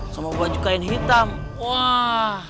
semua baju kain hitam wah